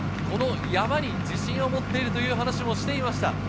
この山に自信を持っているという話もしていました。